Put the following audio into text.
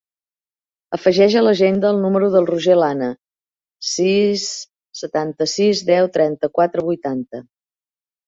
Afegeix a l'agenda el número del Roger Lana: sis, setanta-sis, deu, trenta-quatre, vuitanta.